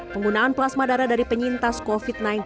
penggunaan plasma darah dari penyintas covid sembilan belas